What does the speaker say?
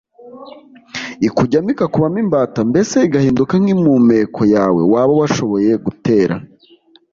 ikujyamo ikakubamo imbata, mbese igahinduka nk'impumeko yawe, waba washoboye gutera